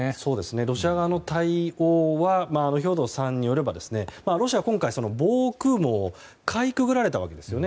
ロシア側の対応は兵頭さんによればロシアは今回、防空網をかいくぐられたわけですね。